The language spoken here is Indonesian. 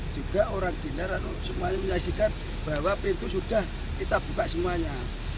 juga orang dinar atau semuanya menyaksikan bahwa pintu sudah kita buka semuanya